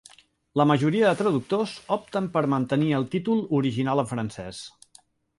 La majoria de traductors opten per mantenir el títol original en francès.